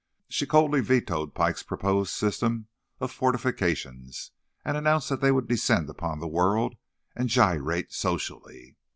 So she coldly vetoed Pike's proposed system of fortifications, and announced that they would descend upon the world, and gyrate socially.